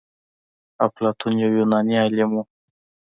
افلاطون يو يوناني عالم و.